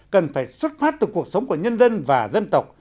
cần phải xuất phát từ cuộc sống của nhân dân và dân tộc